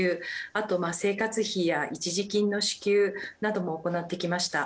あと生活費や一時金の支給なども行ってきました。